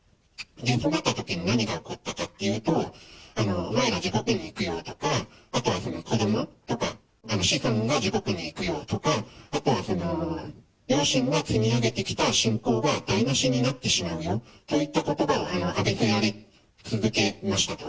そうなったときに何が起こったかというと、お前ら地獄に行くよとか、あとは子どもとか、子孫が地獄に行くよとか、あとは、両親が積み上げてきた信仰が台なしになってしまうよといったことばを浴びせられ続けられました。